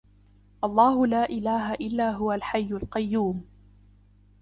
اللَّهُ لَا إِلَهَ إِلَّا هُوَ الْحَيُّ الْقَيُّومُ